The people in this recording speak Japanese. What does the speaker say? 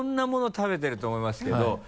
食べてると思いますけど。